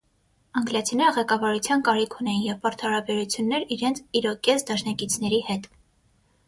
Անգլիացիները ղեկավարության կարիք ունեին և բարդ հարաբերություններ իրենց իրոկեզ դաշնակիցների հետ։